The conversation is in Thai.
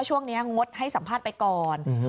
ช่วงนี้งดให้สัมภาษณ์ไปก่อน